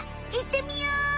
いってみよう！